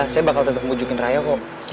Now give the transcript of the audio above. saya bakal tetep ngebujukin raya kom